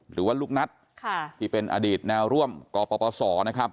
หรือว่าลูกนัทที่เป็นอดีตแนวร่วมกปศนะครับ